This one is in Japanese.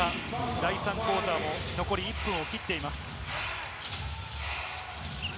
第３クオーターも残り１分を切っています。